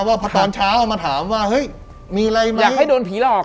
ว่าพอตอนเช้าเอามาถามว่าเฮ้ยมีอะไรอยากให้โดนผีหลอก